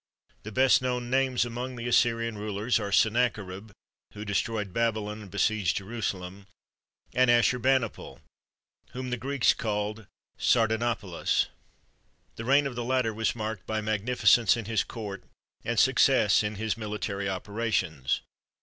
The best known names among the Assyrian rulers are Sennacherib, who destroyed Babylon and besieged Jerusa lem; and Asshur bani pal, whom the Greeks called Sardana palus. The reign of the latter was marked by magnificence in his court and success in his military operations.